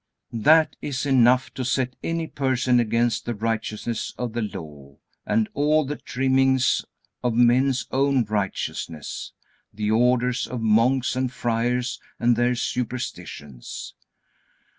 That is enough to set any person against the righteousness of the Law and all the trimmings of men's own righteousness, the orders of monks and friars, and their superstitions.